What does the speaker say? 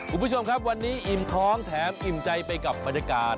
คุณผู้ชมครับวันนี้อิ่มท้องแถมอิ่มใจไปกับบรรยากาศ